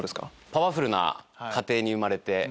パワフルな家庭に生まれて。